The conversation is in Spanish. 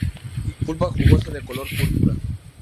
Pulpa Jugosa de color púrpura.